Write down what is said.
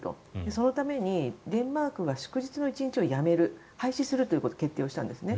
そのためにデンマークが祝日の１日をやめる廃止するという決定をしたんですね。